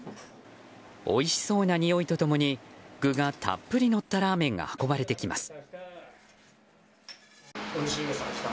おいしそうなにおいと共に具がたっぷり乗ったラーメンが運ばれてきます。